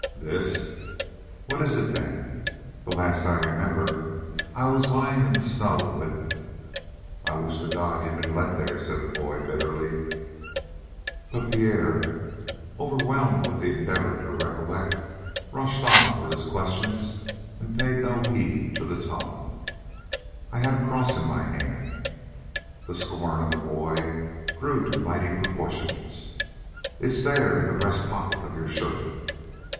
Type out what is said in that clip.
"This?" "What is it, then? The last I remember I was lying in the snow with " "I wish to God you'd been let there," said the boy bitterly. But Pierre, overwhelmed with the endeavor to recollect, rushed on with his questions and paid no heed to the tone. "I had a cross in my hand " The scorn of the boy grew to mighty proportions. "It's there in the breast pocket of your shirt."